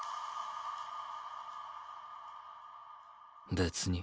別に。